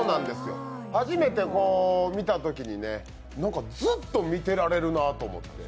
初めて見たときにずっと見てられるなって思って。